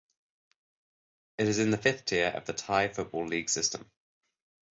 It is in the fifth tier of the Thai football league system.